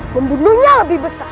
pembunuhnya lebih besar